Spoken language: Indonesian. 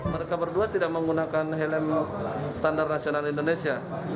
mereka berdua tidak menggunakan helm standar nasional indonesia